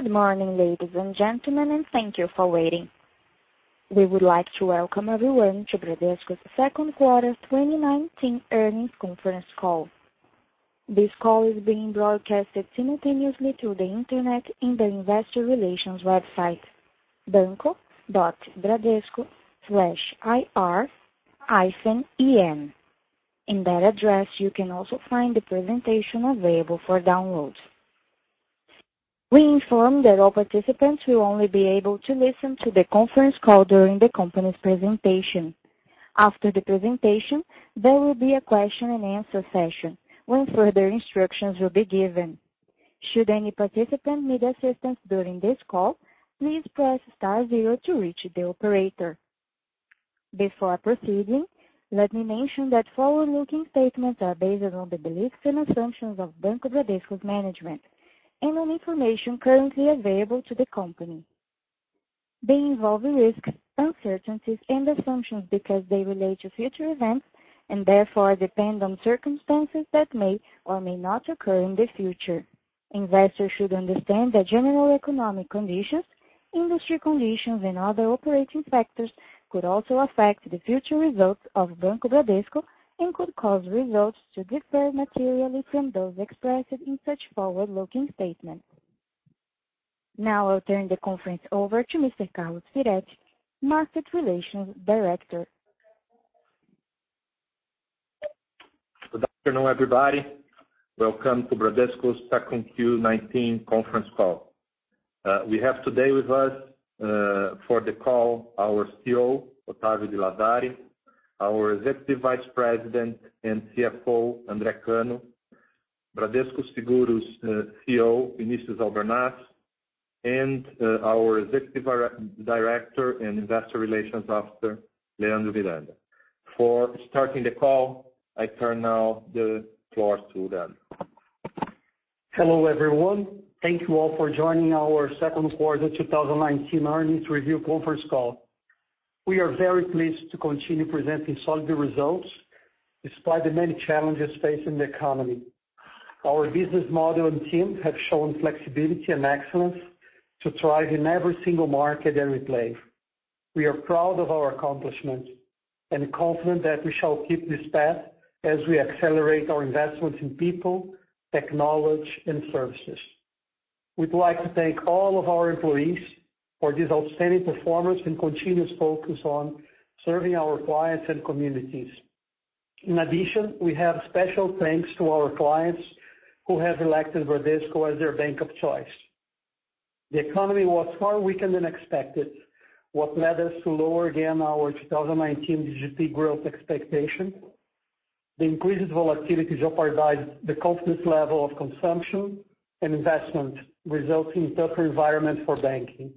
Good morning, ladies and gentlemen, and thank you for waiting. We would like to welcome everyone to Bradesco's Q2 2019 Earnings Conference Call. This call is being broadcast simultaneously through the internet in the Investor Relations website, banco.bradesco/ir-en. In that address, you can also find the presentation available for download. We inform that all participants will only be able to listen to the conference call during the company's presentation. After the presentation, there will be a question-and-answer session, when further instructions will be given. Should any participant need assistance during this call, please press *0 to reach the operator. Before proceeding, let me mention that forward-looking statements are based on the beliefs and assumptions of Banco Bradesco's management and on information currently available to the company. They involve risks, uncertainties, and assumptions because they relate to future events and therefore depend on circumstances that may or may not occur in the future. Investors should understand that general economic conditions, industry conditions, and other operating factors could also affect the future results of Banco Bradesco and could cause results to differ materially from those expressed in such forward-looking statements. Now I'll turn the conference over to Mr. Carlos Firetti, Market Relations Director. Good afternoon, everybody. Welcome to Bradesco's Q2 2019 Conference Call. We have today with us for the call our CEO, Octavio de Lazari, our Executive Vice President and CFO, André Cano, Bradesco Seguros CEO, Vinicius Albernaz, and our Executive Director and Investor Relations Officer, Leandro de Miranda. For starting the call, I turn now the floor to them. Hello, everyone. Thank you all for joining our Q2 2019 Earnings Review Conference Call. We are very pleased to continue presenting solid results despite the many challenges facing the economy. Our business model and teams have shown flexibility and excellence to thrive in every single market that we play. We are proud of our accomplishments and confident that we shall keep this path as we accelerate our investments in people, technology, and services. We'd like to thank all of our employees for this outstanding performance and continuous focus on serving our clients and communities. In addition, we have special thanks to our clients who have elected Bradesco as their bank of choice. The economy was far weaker than expected, what led us to lower again our 2019 GDP growth expectation. The increased volatility jeopardized the confidence level of consumption and investment, resulting in tougher environment for banking.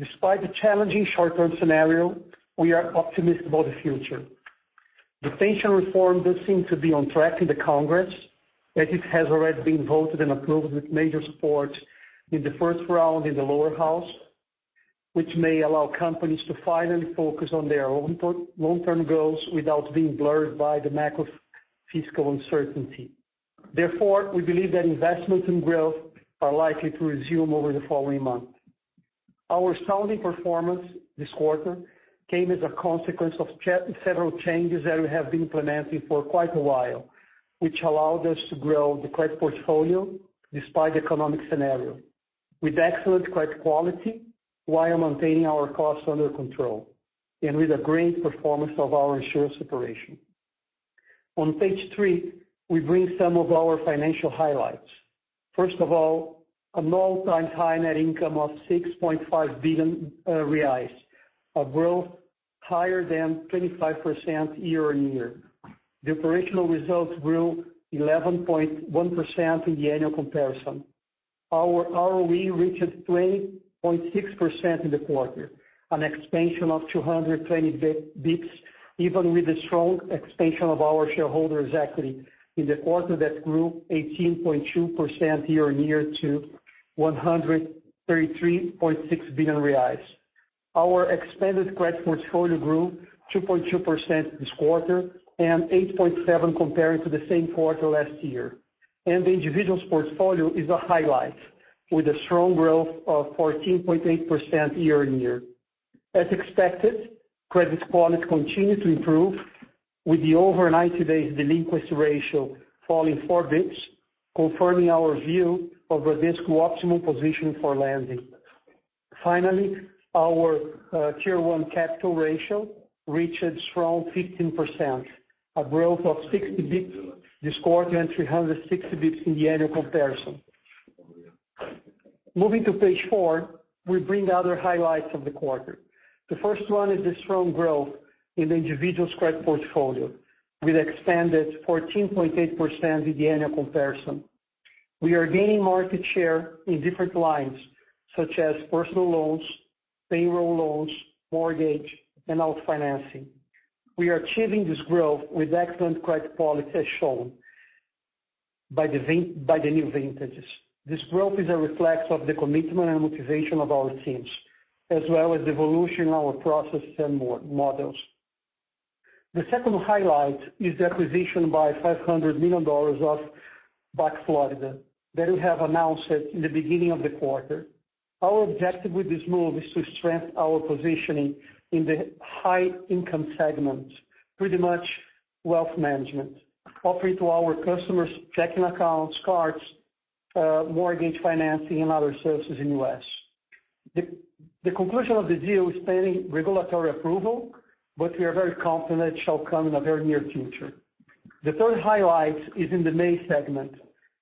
Despite the challenging short-term scenario, we are optimistic about the future. The pension reform does seem to be on track in the Congress, as it has already been voted and approved with major support in the first round in the lower house, which may allow companies to finally focus on their own long-term goals without being blurred by the macro fiscal uncertainty. We believe that investments and growth are likely to resume over the following months. Our sounding performance this quarter came as a consequence of several changes that we have been implementing for quite a while, which allowed us to grow the credit portfolio despite the economic scenario with excellent credit quality while maintaining our costs under control and with a great performance of our insurance operation. On page 3, we bring some of our financial highlights. First of all, an all-time high net income of 6.5 billion reais, a growth higher than 25% year-on-year. The operational results grew 11.1% in the annual comparison. Our ROE reached 20.6% in the quarter, an expansion of 220 basis point, even with the strong expansion of our shareholders' equity in the quarter that grew 18.2% year-on-year to BRL 133.6 billion. The individuals portfolio is a highlight with a strong growth of 14.8% year-on-year. As expected, credit quality continued to improve with the over 90-day delinquency ratio falling 4 basis point, confirming our view of Bradesco optimal position for lending. Finally, our Tier 1 capital ratio reached strong 15%, a growth of 60 basis point this quarter and 360 basis point in the annual comparison. Moving to page 4, we bring other highlights of the quarter. The first one is the strong growth in the individuals credit portfolio, with expanded 14.8% in the annual comparison. We are gaining market share in different lines, such as personal loans, payroll loans, mortgage, and auto financing. We are achieving this growth with excellent credit quality as shown by the new vintages. This growth is a reflex of the commitment and motivation of our teams, as well as the evolution of our processes and models. The second highlight is the acquisition by $500 million of BAC Florida Bank that we have announced it in the beginning of the quarter. Our objective with this move is to strengthen our positioning in the high income segment, pretty much wealth management, offering to our customers checking accounts, cards, mortgage financing, and other services in U.S. The conclusion of the deal is pending regulatory approval, but we are very confident it shall come in the very near future. The third highlight is in the main segment,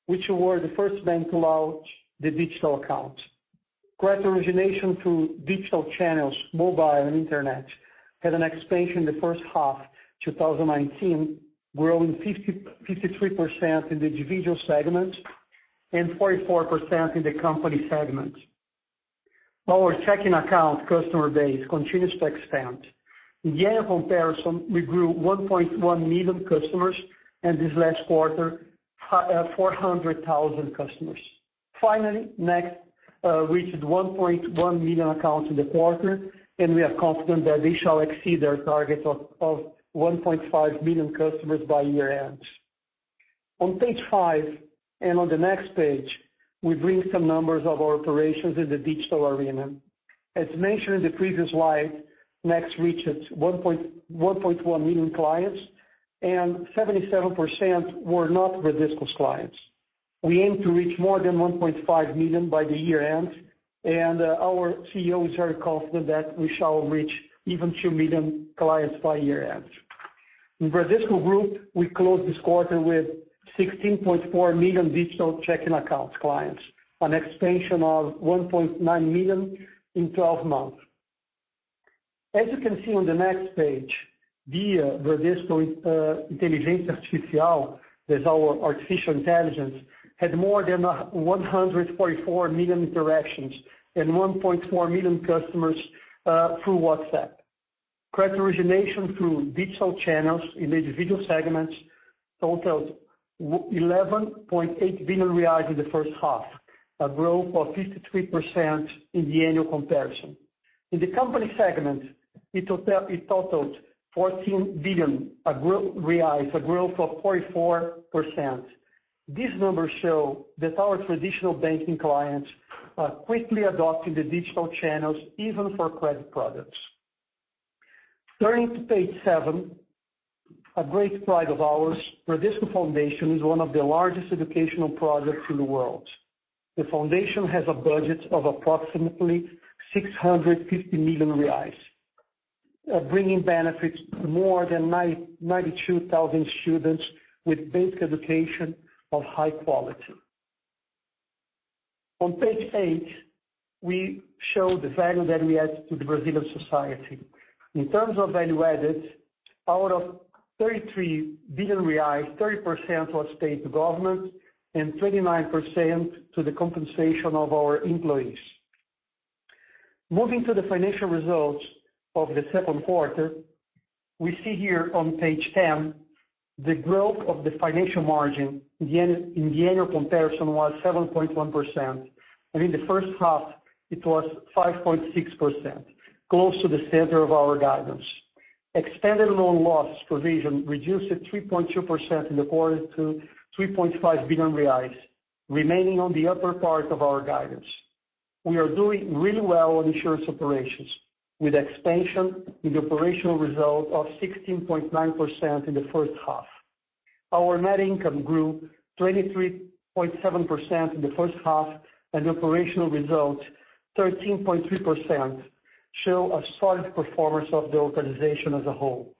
which we were the first bank to launch the digital account. Credit origination through digital channels, mobile, and internet, had an expansion in the first half 2019, growing 53% in the individual segment and 44% in the company segment. Our checking account customer base continues to expand. In year comparison, we grew 1.1 million customers, and this last quarter, 400,000 customers. Finally, Next reached 1.1 million accounts in the quarter, and we are confident that they shall exceed their targets of 1.5 million customers by year-end. On page 5, and on the next page, we bring some numbers of our operations in the digital arena. As mentioned in the previous slide, Next reached 1.1 million clients. 77% were not Bradesco's clients. We aim to reach more than 1.5 million by the year-end. Our CEO is very confident that we shall reach even 2 million clients by year-end. In Bradesco Group, we closed this quarter with 16.4 million digital checking accounts clients, an expansion of 1.9 million in 12 months. As you can see on the next page, BIA Bradesco Inteligência Artificial, that's our artificial intelligence, had more than 144 million interactions. 1.4 million customers through WhatsApp. Credit origination through digital channels in individual segments totaled 11.8 billion reais in the first half, a growth of 53% in the annual comparison. In the company segment, it totaled 14 billion, a growth of 44%. These numbers show that our traditional banking clients are quickly adopting the digital channels even for credit products. Turning to page 7, a great pride of ours, Bradesco Foundation is one of the largest educational projects in the world. The foundation has a budget of approximately 650 million reais, bringing benefits to more than 92,000 students with basic education of high quality. On page 8, we show the value that we add to the Brazilian society. In terms of value added, out of 33 billion reais, 30% was state government and 29% to the compensation of our employees. Moving to the financial results of the Q2, we see here on page 10 the growth of the financial margin. In the annual comparison was 7.1%, and in the first half it was 5.6%, close to the center of our guidance. Expanded loan loss provision reduced to 3.2% in the quarter to 3.5 billion reais, remaining on the upper part of our guidance. We are doing really well on insurance operations with expansion in the operational result of 16.9% in the first half. Our net income grew 23.7% in the first half, and operational results 13.3% show a solid performance of the organization as a whole.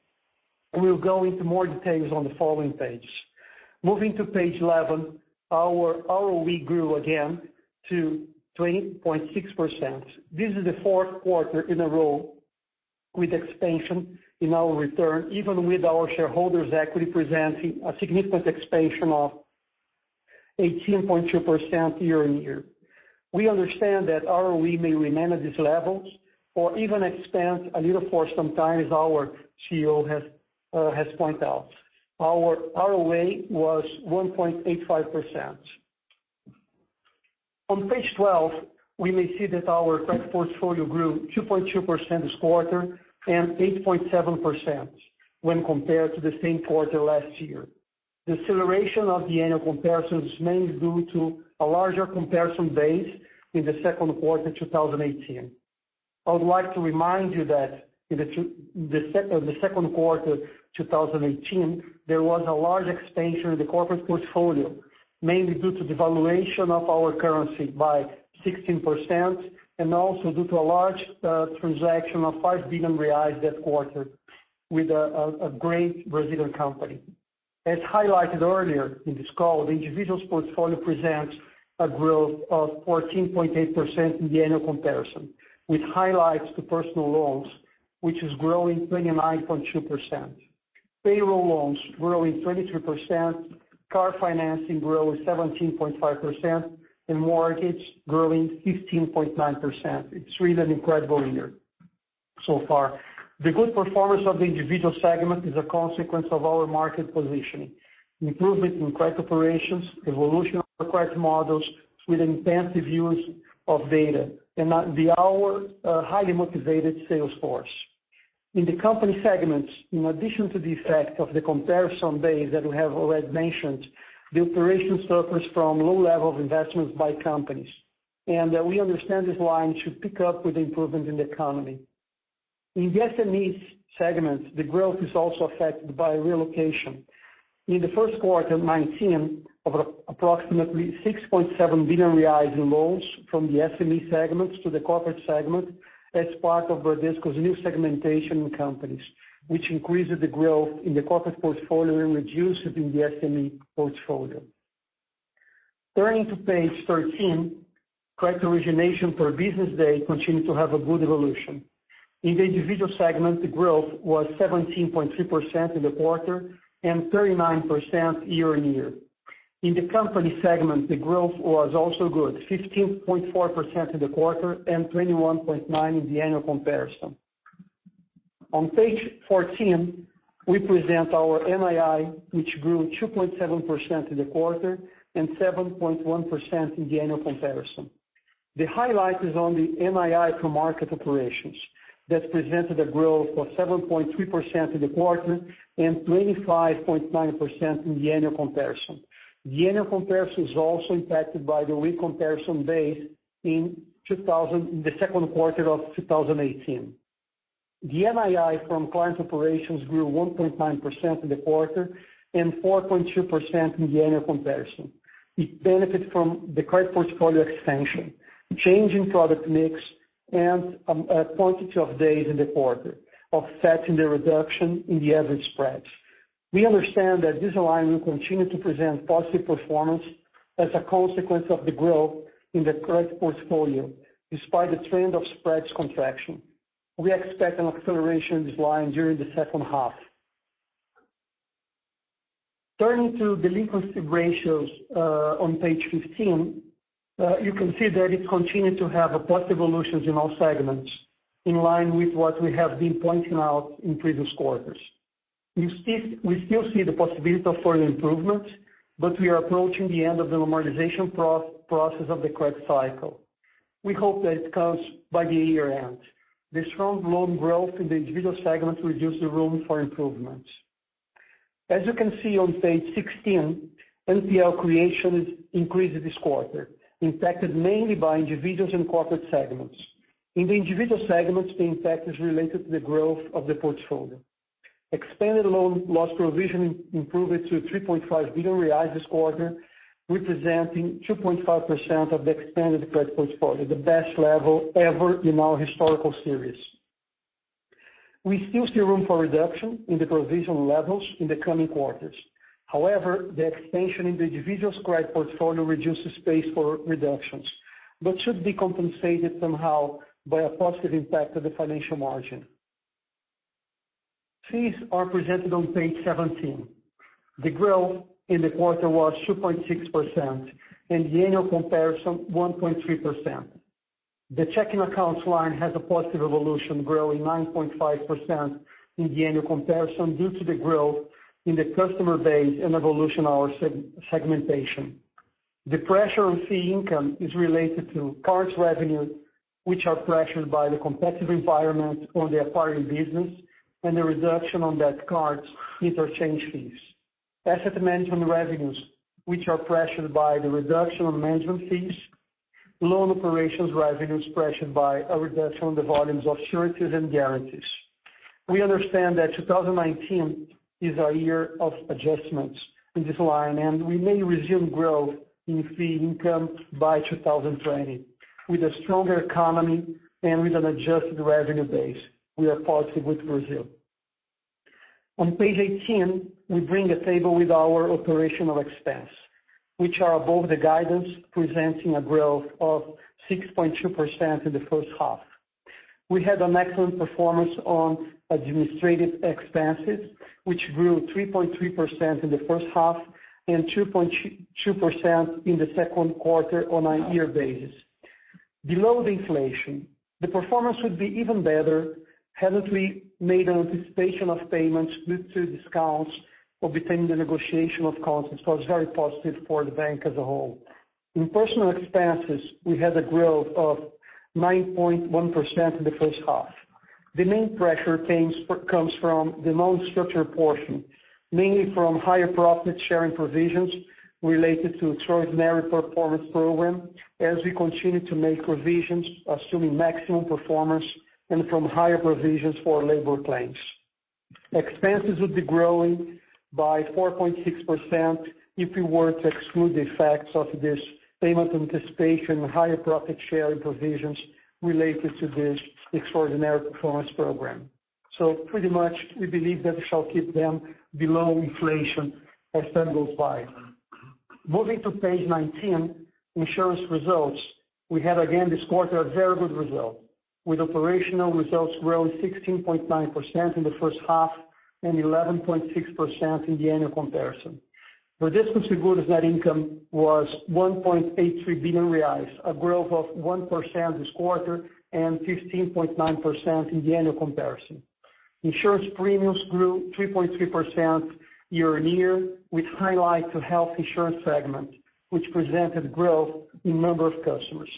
We'll go into more details on the following page. Moving to page 11, our ROE grew again to 20.6%. This is the Q4 in a row with expansion in our return, even with our shareholders' equity presenting a significant expansion of 18.2% year-on-year. We understand that ROE may remain at these levels or even expand a little for some time, as our CEO has point out. Our ROA was 1.85%. On page 12, we may see that our credit portfolio grew 2.2% this quarter and 8.7% when compared to the same quarter last year. Deceleration of the annual comparisons is mainly due to a larger comparison base in the Q2 2018. I would like to remind you that in the Q2 2018, there was a large expansion in the corporate portfolio, mainly due to devaluation of our currency by 16% and also due to a large transaction of 5 billion reais that quarter with a great Brazilian company. As highlighted earlier in this call, the individuals portfolio presents a growth of 14.8% in the annual comparison, with highlights to personal loans, which is growing 29.2%. Payroll loans growing 33%, car financing growing 17.5%, and mortgage growing 15.9%. It's really an incredible year so far. The good performance of the individual segment is a consequence of our market positioning, improvement in credit operations, evolution of credit models with intensive use of data, and our highly motivated sales force. In the company segments, in addition to the effect of the comparison base that we have already mentioned, the operations suffers from low level of investments by companies. We understand this line should pick up with the improvement in the economy. In the SMEs segments, the growth is also affected by reallocation. In the Q1 2019, of approximately 6.7 billion reais in loans from the SME segments to the corporate segment as part of Bradesco's new segmentation companies, which increases the growth in the corporate portfolio and reduces in the SME portfolio. Turning to page 13, credit origination per business day continues to have a good evolution. In the individual segment, the growth was 17.3% in the quarter and 39% year-on-year. In the company segment, the growth was also good, 15.4% in the quarter and 21.9% in the annual comparison. On page 14, we present our NII, which grew 2.7% in the quarter and 7.1% in the annual comparison. The highlight is on the NII for market operations. That presented a growth of 7.3% in the quarter and 25.9% in the annual comparison. The annual comparison is also impacted by the weak comparison base in the Q2 of 2018. The NII from client operations grew 1.9% in the quarter and 4.2% in the annual comparison. It benefits from the credit portfolio expansion, change in product mix, and a quantity of days in the quarter, offsetting the reduction in the average spreads. We understand that this line will continue to present positive performance as a consequence of the growth in the credit portfolio, despite the trend of spreads contraction. We expect an acceleration of this line during the second half. Turning to delinquency ratios, on page 15, you can see that it continued to have a positive evolution in all segments in line with what we have been pointing out in previous quarters. We still see the possibility for an improvement, but we are approaching the end of the normalization process of the credit cycle. We hope that it comes by the year-end. The strong loan growth in the individual segment reduced the room for improvements. As you can see on page 16, NPL creation increased this quarter, impacted mainly by individuals and corporate segments. In the individual segments, the impact is related to the growth of the portfolio. Expanded loan loss provision improved to 3.5 billion reais this quarter, representing 2.5% of the expanded credit portfolio, the best level ever in our historical series. We still see room for reduction in the provision levels in the coming quarters. The expansion in the individual credit portfolio reduces space for reductions, but should be compensated somehow by a positive impact to the financial margin. Fees are presented on page 17. The growth in the quarter was 2.6%, and the annual comparison 1.3%. The checking accounts line has a positive evolution, growing 9.5% in the annual comparison due to the growth in the customer base and evolution our segmentation. The pressure on fee income is related to cards revenue, which are pressured by the competitive environment on the acquiring business, and the reduction on debit cards interchange fees. Asset management revenues, which are pressured by the reduction of management fees, loan operations revenues pressured by a reduction in the volumes of sureties and guarantees. We understand that 2019 is our year of adjustments in this line, we may resume growth in fee income by 2020 with a stronger economy and with an adjusted revenue base. We are positive with Brazil. On page 18, we bring a table with our operational expense, which are above the guidance, presenting a growth of 6.2% in the first half. We had an excellent performance on administrative expenses, which grew 3.3% in the first half and 2.2% in the Q2 on a year basis. Below the inflation, the performance would be even better had it we made anticipation of payments due to discounts obtained in the negotiation of contracts, it's very positive for the bank as a whole. In personal expenses, we had a growth of 9.1% in the first half. The main pressure comes from the non-structured portion, mainly from higher profit-sharing provisions related to Extraordinary Performance Program as we continue to make provisions assuming maximum performance and from higher provisions for labor claims. Expenses would be growing by 4.6% if we were to exclude the effects of this payment anticipation and higher profit-sharing provisions related to this Extraordinary Performance Program. Pretty much, we believe that we shall keep them below inflation as time goes by. Moving to page 19, insurance results, we had again this quarter a very good result, with operational results growing 16.9% in the first half and 11.6% in the annual comparison. The Bradesco Seguros net income was 1.83 billion reais, a growth of 1% this quarter and 15.9% in the annual comparison. Insurance premiums grew 3.3% year-on-year, with highlights of health insurance segment, which presented growth in number of customers.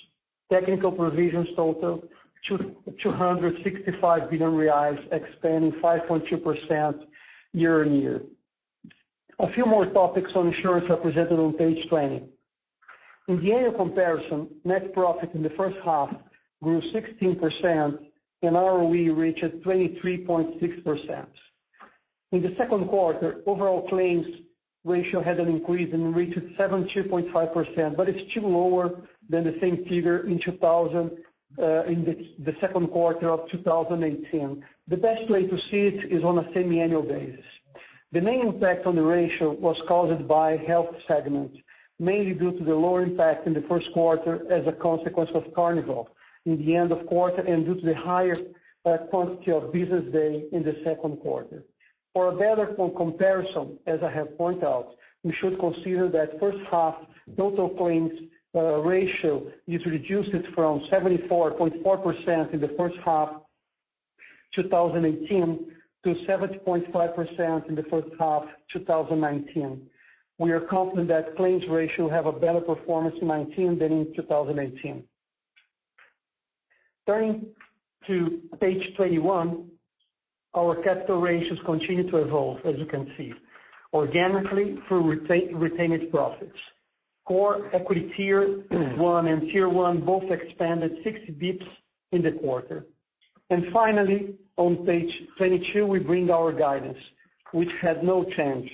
Technical provisions total 265 billion reais, expanding 5.2% year-on-year. A few more topics on insurance are presented on page 20. In the annual comparison, net profit in the first half grew 16%, and ROE reached 23.6%. In the Q2, overall claims ratio had an increase and reached 72.5%, but it's still lower than the same figure in the Q2 of 2018. The best way to see it is on a semi-annual basis. The main impact on the ratio was caused by health segment, mainly due to the lower impact in the Q1 as a consequence of Carnival in the end of quarter and due to the higher quantity of business day in the Q2. For a better comparison, as I have pointed out, we should consider that first half total claims ratio is reduced from 74.4% in the first half 2018 to 70.5% in the first half 2019. We are confident that claims ratio will have a better performance in 2019 than in 2018. Turning to page 21, our capital ratios continue to evolve, as you can see, organically through retained profits. Common Equity Tier 1 and Tier 1 both expanded 60 basis points in the quarter. Finally, on page 22, we bring our guidance, which had no change.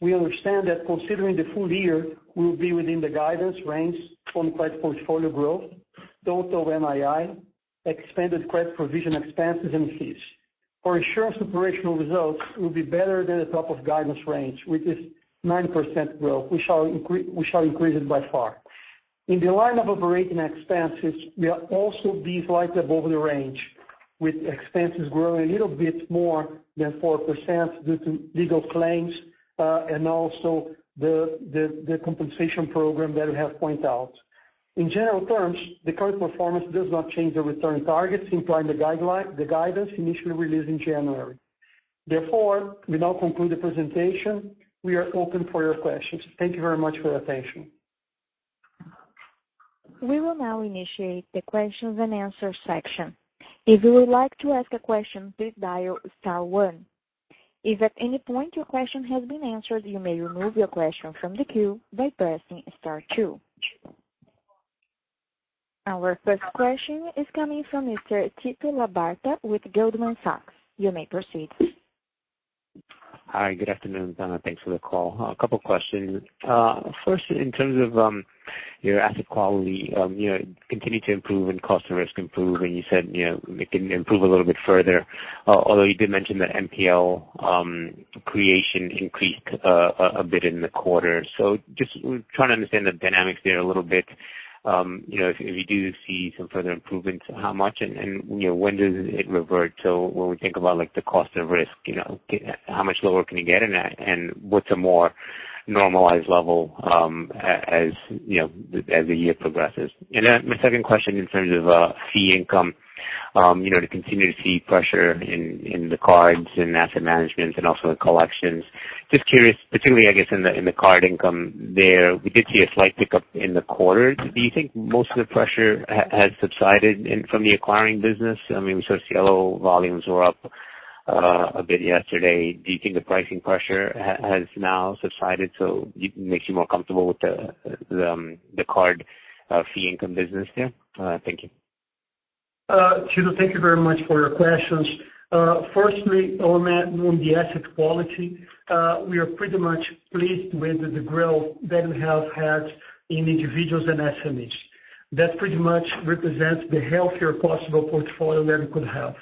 We understand that considering the full year, we will be within the guidance range on credit portfolio growth, total NII, expanded credit provision expenses, and fees. Our insurance operational results will be better than the top of guidance range, which is 9% growth. We shall increase it by far. In the line of operating expenses, we are also being slightly above the range, with expenses growing a little bit more than 4% due to legal claims and also the compensation program that we have pointed out. In general terms, the current performance does not change the return targets in line the guidance initially released in January. Therefore, we now conclude the presentation. We are open for your questions. Thank you very much for your attention. We will now initiate the questions-and-answers section. If you would like to ask a question, please dial *1. If at any point your question has been answered, you may remove your question from the queue by pressing *2. Our first question is coming from Mr. Tito Labarta with Goldman Sachs. You may proceed. Hi. Good afternoon. Thanks for the call. A couple questions. First, in terms of your asset quality, it continued to improve and cost of risk improved, and you said it can improve a little bit further. Although you did mention that NPL creation increased a bit in the quarter. Just trying to understand the dynamics there a little bit. If we do see some further improvements, how much? When does it revert to when we think about the cost of risk, how much lower can you get in that, and what's a more normalized level as the year progresses? My second question in terms of fee income. You continue to see pressure in the cards and asset management and also in collections. Just curious, particularly, I guess, in the card income there, we did see a slight pickup in the quarter. Do you think most of the pressure has subsided from the acquiring business? Cielo volumes were up a bit yesterday. Do you think the pricing pressure has now subsided so it makes you more comfortable with the card fee income business there? Thank you. Tito, thank you very much for your questions. Firstly, on the asset quality, we are pretty much pleased with the growth that we have had in individuals and SMEs. That pretty much represents the healthier possible portfolio that we could have.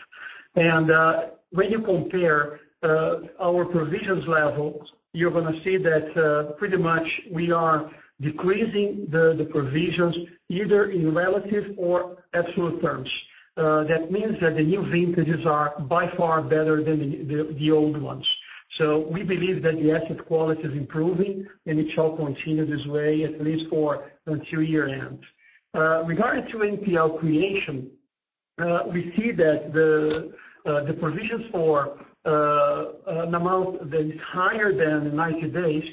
When you compare our provisions level, you're going to see that pretty much we are decreasing the provisions either in relative or absolute terms. That means that the new vintages are by far better than the old ones. We believe that the asset quality is improving, and it shall continue this way, at least until year end. Regarding to NPL creation, we see that the provisions for an amount that is higher than 90 days,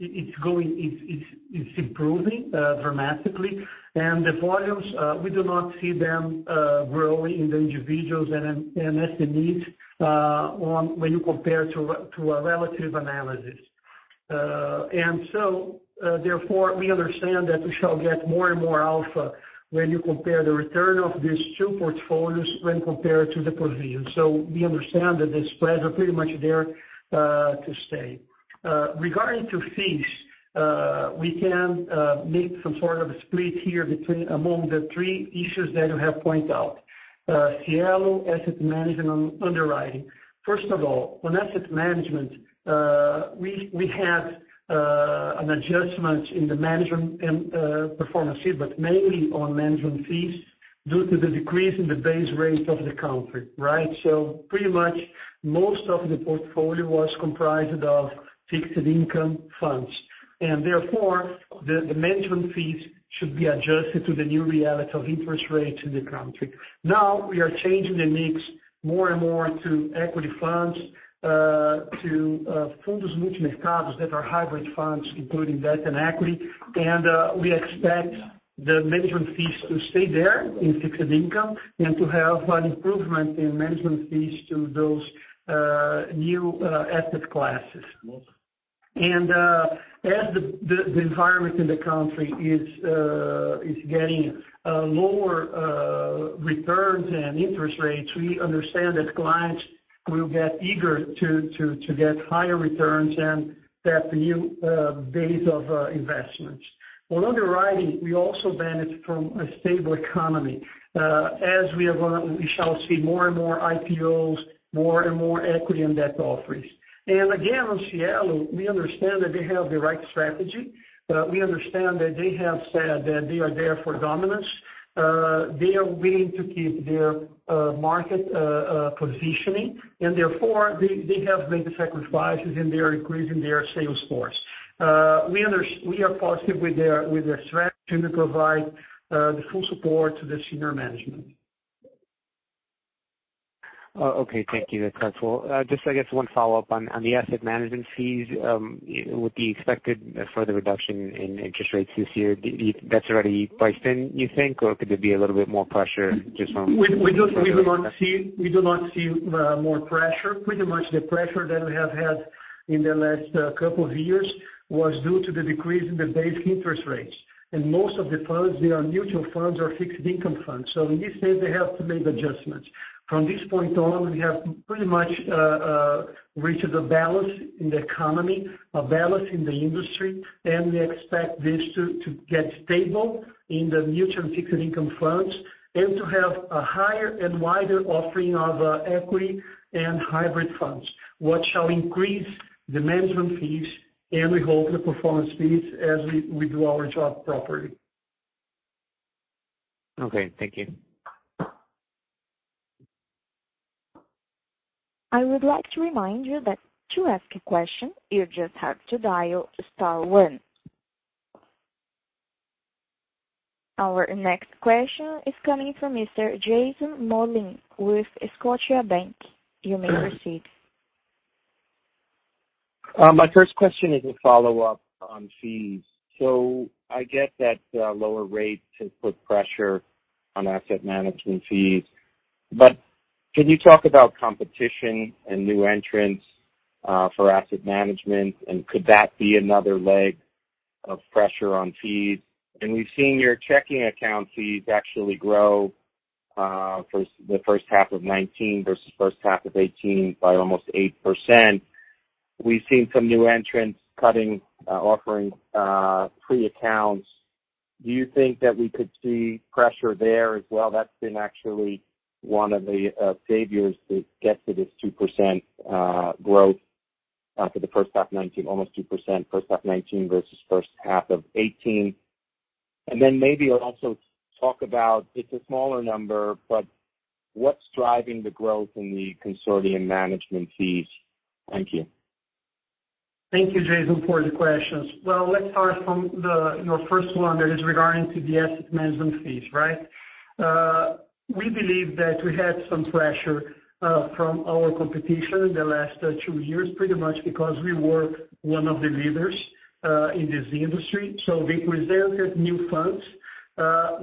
it's improving dramatically. The volumes, we do not see them growing in the individuals and SMEs when you compare to a relative analysis. Therefore, we understand that we shall get more and more alpha when you compare the return of these two portfolios when compared to the provisions. We understand that the spreads are pretty much there to stay. Regarding to fees, we can make some sort of split here among the three issues that you have pointed out. Cielo, asset management, and underwriting. First of all, on asset management, we had an adjustment in the management and performance fee, but mainly on management fees due to the decrease in the base rate of the country. Right? Pretty much most of the portfolio was comprised of fixed income funds. Therefore, the management fees should be adjusted to the new reality of interest rates in the country. Now we are changing the mix more and more to equity funds, to 'fundos multimercados' that are hybrid funds, including debt and equity. We expect the management fees to stay there in fixed income and to have an improvement in management fees to those new asset classes. As the environment in the country is getting lower returns and interest rates, we understand that clients will get eager to get higher returns and that new base of investments. On underwriting, we also benefit from a stable economy. We shall see more and more IPOs, more and more equity and debt offerings. Again, on Cielo, we understand that they have the right strategy. We understand that they have said that they are there for dominance. They are willing to keep their market positioning and therefore they have made the sacrifices in their increase in their sales force. We are positive with their strategy and we provide the full support to the senior management. Okay. Thank you. Just, I guess one follow-up on the asset management fees. With the expected further reduction in interest rates this year, that's already priced in, you think, or could there be a little bit more pressure just from- We do not see more pressure. Pretty much the pressure that we have had in the last couple of years was due to the decrease in the base interest rates. Most of the funds, they are mutual funds or fixed income funds. In this case, they have to make adjustments. From this point on, we have pretty much reached a balance in the economy, a balance in the industry, and we expect this to get stable in the mutual and fixed income funds, to have a higher and wider offering of equity and hybrid funds, which shall increase the management fees and we hope the performance fees as we do our job properly. Okay, thank you. I would like to remind you that to ask a question, you just have to dial *1. Our next question is coming from Mr. Jason Mollin with Scotiabank. You may proceed. My first question is a follow-up on fees. I get that lower rates have put pressure on asset management fees. Can you talk about competition and new entrants for asset management, and could that be another leg of pressure on fees? We've seen your checking account fees actually grow for the first half of 2019 versus first half of 2018 by almost 8%. We've seen some new entrants cutting, offering free accounts. Do you think that we could see pressure there as well? That's been actually one of the saviors to get to this 2% growth for the first half 2019, almost 2% first half 2019 versus first half of 2018. Maybe also talk about, it's a smaller number, but what's driving the growth in the consortium management fees? Thank you. Thank you, Jason, for the questions. Well, let's start from your first one that is regarding to the asset management fees, right? We believe that we had some pressure from our competition in the last two years, pretty much because we were one of the leaders in this industry. We presented new funds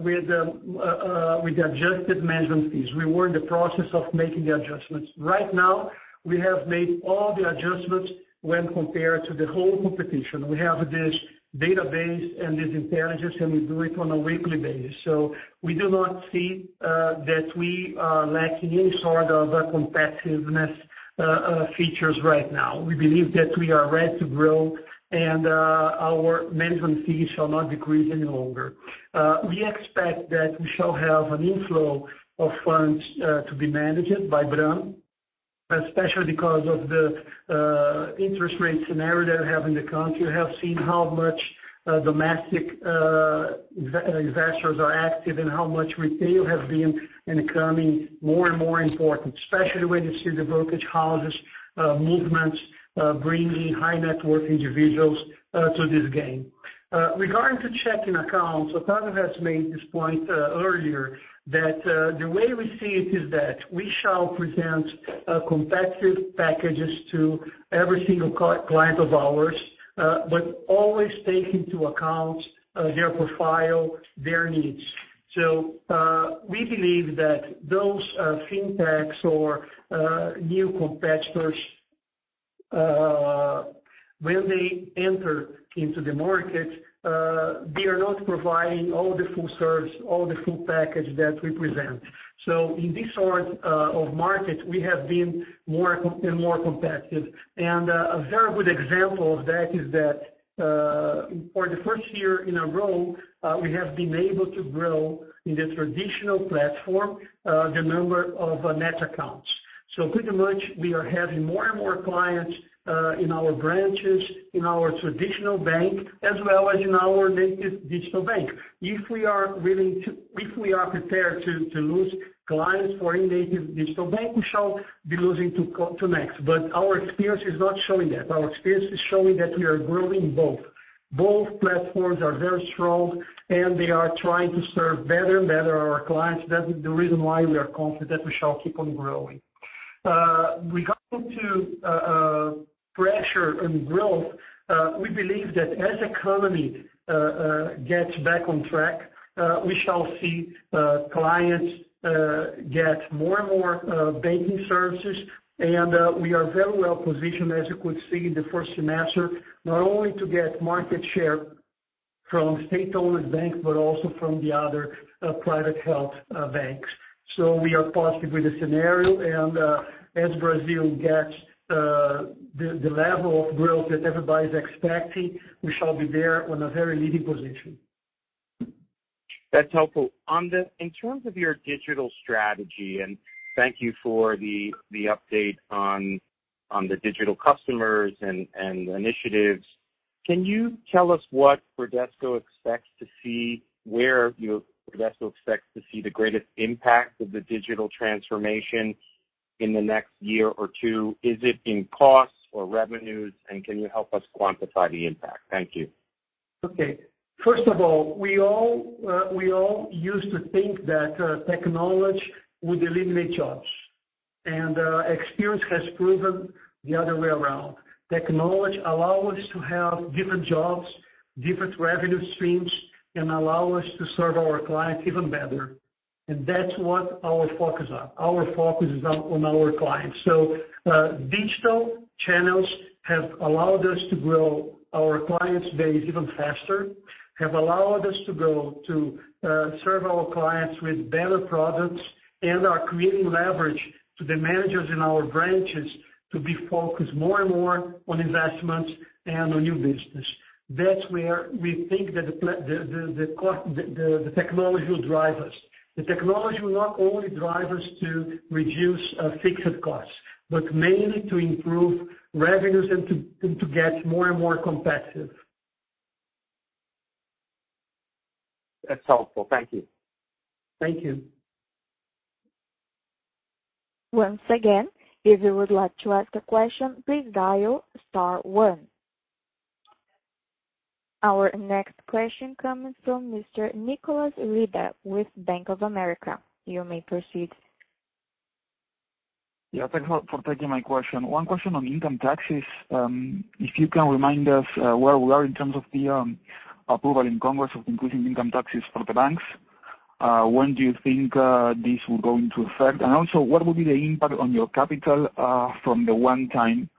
with adjusted management fees. We were in the process of making the adjustments. Right now, we have made all the adjustments when compared to the whole competition. We have this database and these intelligence, and we do it on a weekly basis. We do not see that we are lacking any sort of competitiveness features right now. We believe that we are ready to grow and our management fees shall not decrease any longer. We expect that we shall have an inflow of funds to be managed by BRAM, especially because of the interest rate scenario we have in the country. We have seen how much domestic investors are active and how much retail has been and becoming more and more important, especially when you see the brokerage houses' movements bringing high net worth individuals to this game. Regarding to checking accounts, Octavio has made this point earlier, that the way we see it is that we shall present competitive packages to every single client of ours, but always take into account their profile, their needs. We believe that those fintechs or new competitors, when they enter into the market they are not providing all the full service, all the full package that we present. In this sort of market, we have been more and more competitive. A very good example of that is that for the first year in a row, we have been able to grow in the traditional platform the number of net accounts. Pretty much we are having more and more clients in our branches, in our traditional bank, as well as in our native digital bank. If we are prepared to lose clients for a native digital bank, we shall be losing to Next. Our experience is not showing that. Our experience is showing that we are growing both. Both platforms are very strong, and they are trying to serve better and better our clients. That is the reason why we are confident we shall keep on growing. Regarding to pressure and growth, we believe that as economy gets back on track, we shall see clients get more and more banking services. We are very well positioned, as you could see in the first semester, not only to get market share from state-owned banks, but also from the other private health banks. We are positive with the scenario, and as Brazil gets the level of growth that everybody's expecting, we shall be there on a very leading position. That's helpful. In terms of your digital strategy, and thank you for the update on the digital customers and initiatives, can you tell us where Bradesco expects to see the greatest impact of the digital transformation in the next year or two? Is it in costs or revenues? Can you help us quantify the impact? Thank you. Okay. First of all, we all used to think that technology would eliminate jobs. Experience has proven the other way around. Technology allow us to have different jobs, different revenue streams, and allow us to serve our clients even better. That's what our focus is on. Our focus is on our clients. Digital channels have allowed us to grow our client base even faster, have allowed us to serve our clients with better products, and are creating leverage to the managers in our branches to be focused more and more on investments and on new business. That's where we think that the technology will drive us. The technology will not only drive us to reduce fixed costs, but mainly to improve revenues and to get more and more competitive. That's helpful. Thank you. Thank you. Once again, if you would like to ask a question, please dial *1. Our next question comes from Mr. Nicolas Riva with Bank of America. You may proceed. Yeah, thanks for taking my question. One question on income taxes, if you can remind us where we are in terms of the approval in Congress of increasing income taxes for the banks. When do you think this will go into effect? Also, what will be the impact on your capital from the one-time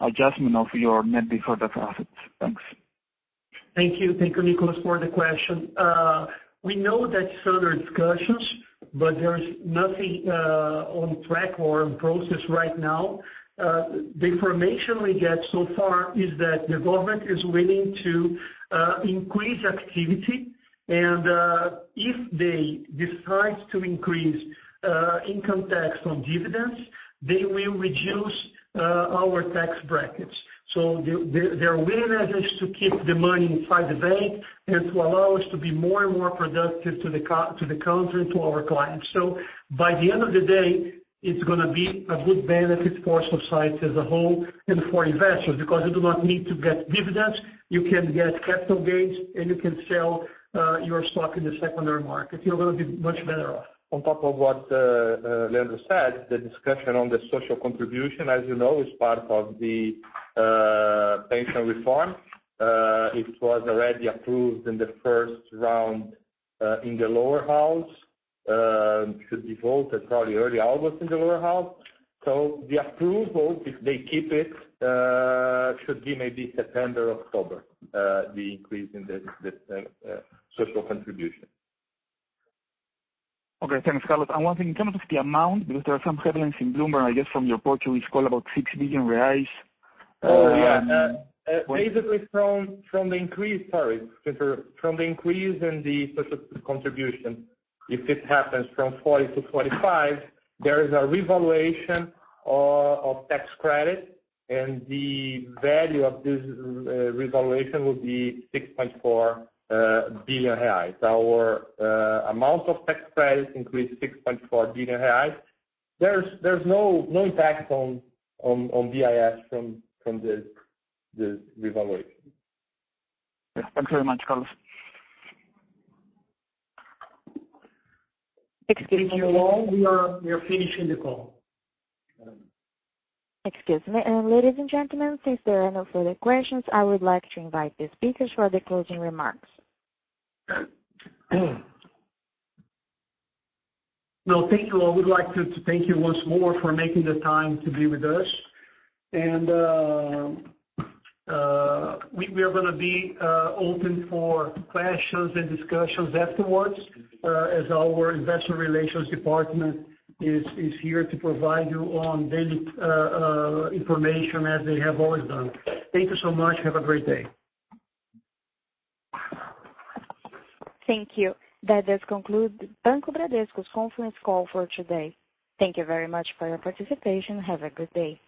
adjustment of your net deferred tax assets? Thanks. Thank you. Thank you, Nicolas, for the question. We know that further discussions, but there's nothing on track or in process right now. The information we get so far is that the government is willing to increase activity, and if they decide to increase income tax on dividends, they will reduce our tax brackets. Their willingness is to keep the money inside the bank and to allow us to be more and more productive to the country and to our clients. By the end of the day, it's going to be a good benefit for society as a whole and for investors, because you do not need to get dividends. You can get capital gains, and you can sell your stock in the secondary market. You're going to be much better off. On top of what Leandro said, the discussion on the social contribution, as you know, is part of the pension reform. It was already approved in the first round in the lower house, should be voted probably early August in the lower house. The approval, if they keep it, should be maybe September, October, the increase in the social contribution. Okay. Thanks, Carlos. One thing, in terms of the amount, because there are some headlines in Bloomberg, I guess, from your Portuguese call about 6 billion reais. Yeah. Basically, from the increase in the social contribution, if it happens from 40 to 45, there is a revaluation of tax credit, and the value of this revaluation will be 6.4 billion reais. Our amount of tax credit increased 6.4 billion reais. There's no impact on BIS from this revaluation. Yeah. Thanks very much, Carlos. Thank you all. We are finishing the call. Excuse me. Ladies and gentlemen, since there are no further questions, I would like to invite the speakers for their closing remarks. Well, thank you all. We'd like to thank you once more for making the time to be with us. We are going to be open for questions and discussions afterwards, as our Investor Relations department is here to provide you on daily information as they have always done. Thank you so much. Have a great day. Thank you. That does conclude Banco Bradesco's conference call for today. Thank you very much for your participation, and have a good day.